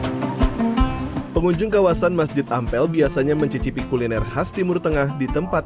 hai pengunjung kawasan masjid ampel biasanya mencicipi kuliner khas timur tengah di tempat